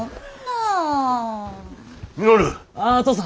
ああ父さん。